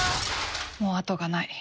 「もう後がない。